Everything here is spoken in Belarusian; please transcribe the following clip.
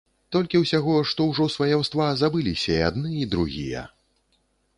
Толькі ўсяго што ўжо сваяўства забыліся й адны і другія.